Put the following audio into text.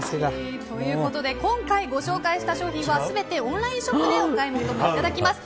今回ご紹介した商品は全てオンラインショップでお買い求めいただきます。